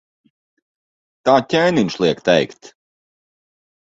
Tā ķēniņš liek teikt.